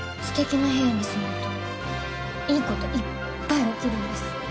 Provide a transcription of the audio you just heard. ステキな部屋に住むといいこといっぱい起きるんです。